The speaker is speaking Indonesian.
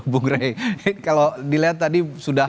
bung rey kalau dilihat tadi sudah